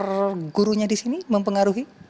apa gurunya disini mempengaruhi